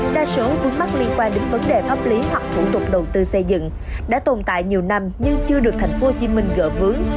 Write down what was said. đa số vướng mắt liên quan đến vấn đề pháp lý hoặc thủ tục đầu tư xây dựng đã tồn tại nhiều năm nhưng chưa được tp hcm gỡ vướng